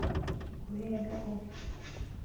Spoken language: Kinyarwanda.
guhera ubu